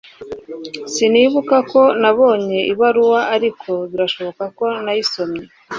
sinibuka ko nabonye ibaruwa, ariko birashoboka ko nayisomye